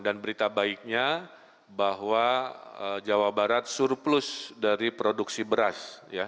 berita baiknya bahwa jawa barat surplus dari produksi beras